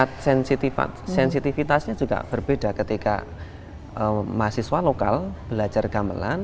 tingkat sensitifitasnya juga berbeda ketika mahasiswa lokal belajar gamelan